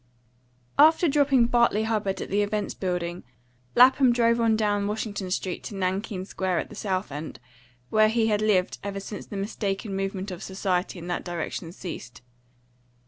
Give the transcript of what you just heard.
AFTER dropping Bartley Hubbard at the Events building, Lapham drove on down Washington Street to Nankeen Square at the South End, where he had lived ever since the mistaken movement of society in that direction ceased.